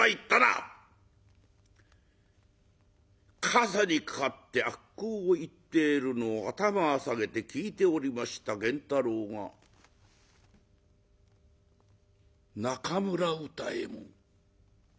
かさにかかって悪口を言っているのを頭を下げて聞いておりました源太郎が「中村歌右衛門。